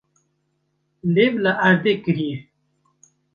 Lêv li erdê kiriye.